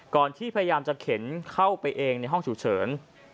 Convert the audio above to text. ที่พยายามจะเข็นเข้าไปเองในห้องฉุกเฉิน